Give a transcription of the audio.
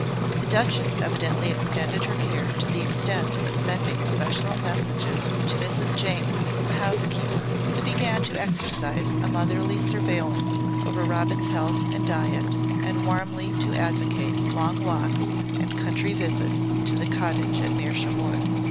The Duchess evidently extended her care to the extent of sending special messages to Mrs. James, the housekeeper, who began to exercise a motherly surveillance over Robin's health and diet and warmly to advocate long walks and country visits to the cottage at Mersham Wood.